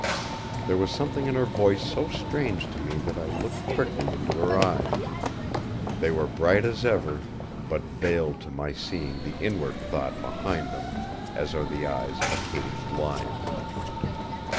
There was something in her voice so strange to me that I looked quickly into her eyes. They were bright as ever, but veiled to my seeing the inward thought behind them as are the eyes of a caged lion.